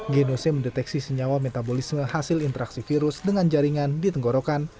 genose mendeteksi senyawa metabolisme hasil interaksi virus dengan jaringan di tenggorokan